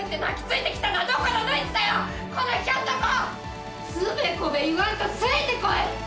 つべこべ言わんとついて来い！